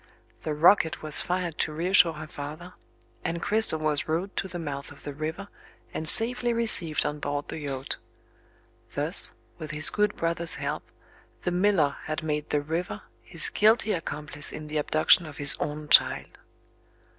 The rocket was fired to re assure her father; and Cristel was rowed to the mouth of the river, and safely received on board the yacht. Thus (with his good brother's help) the miller had made the River his Guilty accomplice in the abduction of his own child!